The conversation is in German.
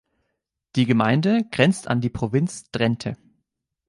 Die Gemeinde grenzt an die Provinz Drenthe.